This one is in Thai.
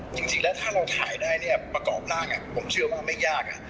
จริงแล้วถ้าเราถ่ายได้เนี่ยประกอบร่างผมเชื่อว่าไม่ยาก